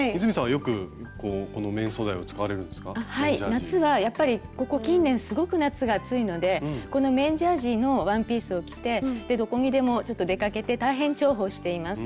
夏はやっぱりここ近年すごく夏が暑いのでこの綿ジャージーのワンピースを着てどこにでもちょっと出かけて大変重宝しています。